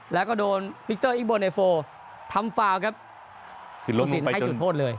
แล้วก็โดนวิเจอร์อิกโบแลโฟร์ทำฟาร์ตครับผู้สินให้จุดโทษเลย